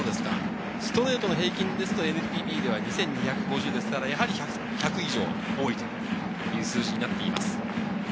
ストレートの平均ですと、２５００ですから、１００以上多いという数字になっています。